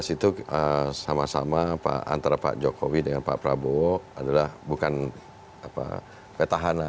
dua ribu itu sama sama antara pak jokowi dengan pak prabowo adalah bukan petahana